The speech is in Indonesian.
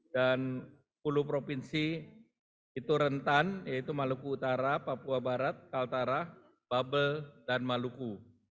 dan sepuluh provinsi itu rentan yaitu maluku utara papua barat kaltara babel dan maluku